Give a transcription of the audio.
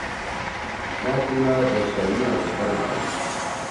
مأ تی ما دش شألمیا سی قرض گھیِن۔